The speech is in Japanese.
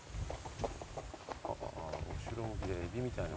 後ろ向きでエビみたいな。